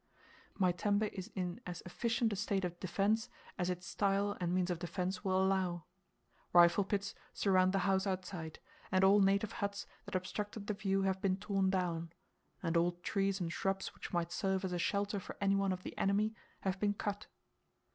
My tembe is in as efficient a state of defence as its style and means of defence will allow. Rifle pits surround the house outside, and all native huts that obstructed the view have been torn down, and all trees and shrubs which might serve as a shelter for any one of the enemy have been cut.